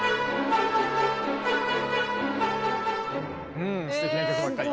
うんすてきな曲ばっかり。